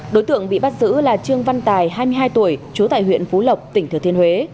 đối tượng bị bắt giữ là trương văn tài hai mươi hai tuổi trú tại huyện phú lộc tỉnh thừa thiên huế